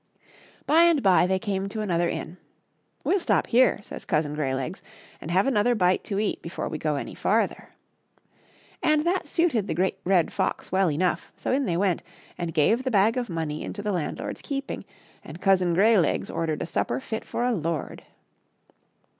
By and by they came to another inn. " We'll stop here," says Cousin Greylegs, " and have another bite to eat before we go any farther." And that suited the Great Red Fox well enough, so in they went, and gave the bag of money into the landlord's keeping, and Cousin Greylegs ordered a supper fit for a lord.